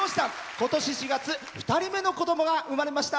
ことし４月２人目の子どもが生まれました。